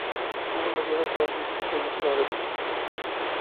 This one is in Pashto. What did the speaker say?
موږ له سړو هېوادونو څخه سعودي ته راغلي وو.